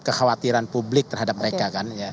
kekhawatiran publik terhadap mereka kan